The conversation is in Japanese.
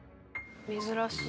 珍しい。